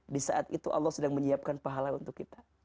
di saat itu allah sedang menyiapkan pahala untuk kita